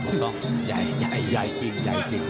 ใหญ่ต้องใหญ่ออกมาชิน